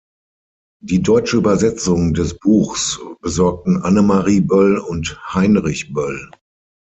Die deutsche Übersetzung des Buchs besorgten Annemarie Böll und Heinrich Böll.